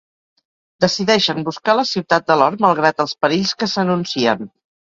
Decideixen buscar la ciutat de l'or malgrat els perills que s'anuncien.